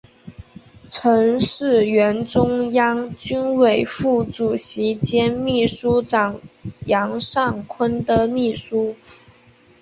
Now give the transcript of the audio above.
曾是原中央军委副主席兼秘书长杨尚昆的秘书。